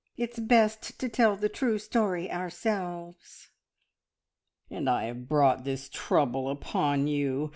It's best to tell the true story ourselves." "And I have brought this trouble upon you!